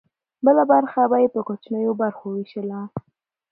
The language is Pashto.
بله برخه به یې په کوچنیو برخو ویشله.